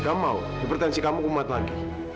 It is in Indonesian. kamu mau hipertensi kamu kumat lagi